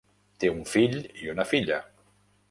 Té un fill i una filla.